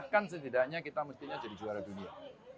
kan setidaknya kita mestinya jadi juara dunia